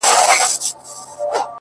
• د کمزورو کنډوالې دي چي نړېږي,,!